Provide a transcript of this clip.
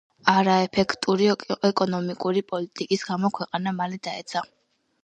არაეფექტური ეკონომიკური პოლიტიკის გამო ქვეყანა მალე დაეცა.